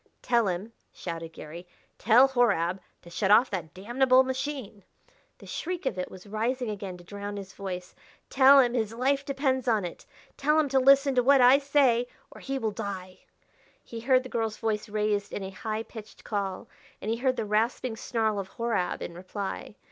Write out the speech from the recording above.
"Tell him," shouted Garry, " tell Horab to shut off that damnable machine!" The shriek of it was rising again to drown his voice. "Tell him his life depends upon it. Tell him to listen to what I say or he will die." He heard the girl's voice raised in a high pitched call, and he heard the rasping snarl of Horab in reply.